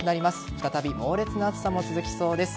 再び猛烈な暑さも続きそうです。